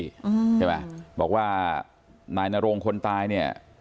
ใช่ไหมบอกว่านายนโรงคนตายเนี่ย